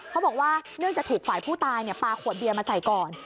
เขาบอกว่าเนื่องจะถูกฝ่ายผู้ตายปลาขวดเบียนมาใส่ก่อน